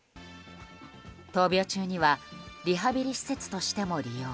闘病中にはリハビリ施設としても利用。